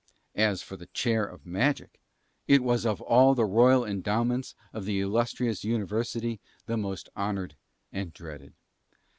As for the Chair of Magic, it was of all the royal endowments of that illustrious University the most honoured and dreaded.